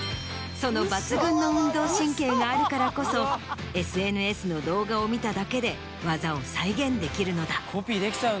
その抜群の運動神経があるからこそＳＮＳの動画を見ただけで技を再現できるのだ。